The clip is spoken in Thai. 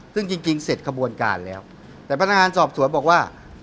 ซึ่งจริงเสร็จขบวนการแล้วแต่พนักงานสอบสวนบอกว่า